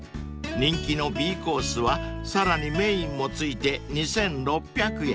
［人気のＢコースはさらにメインも付いて２，６００円］